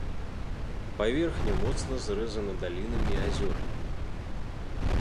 Паверхня моцна зрэзана далінамі і азёрамі.